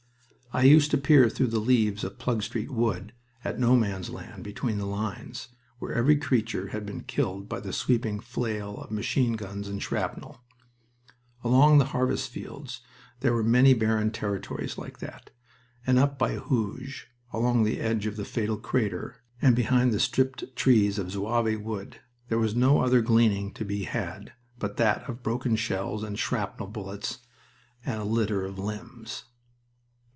I used to peer through the leaves of Plug Street Wood at No Man's Land between the lines, where every creature had been killed by the sweeping flail of machine guns and shrapnel. Along the harvest fields there were many barren territories like that, and up by Hooge, along the edge of the fatal crater, and behind the stripped trees of Zouave Wood there was no other gleaning to be had but that of broken shells and shrapnel bullets and a litter of limbs.